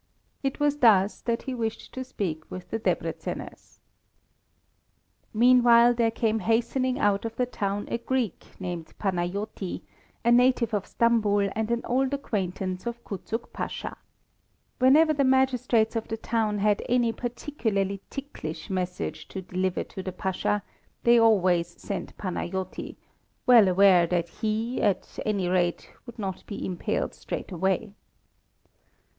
It was thus that he wished to speak with the Debreczeners. Meanwhile there came hastening out of the town a Greek named Panajoti, a native of Stambul and an old acquaintance of Kuczuk Pasha. Whenever the magistrates of the town had any particularly ticklish message to deliver to the Pasha, they always sent Panajoti, well aware that he, at any rate, would not be impaled straight away.